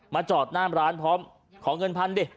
มาจอดน้ำร้านพร้อมขอเงินพันธุ์ดิ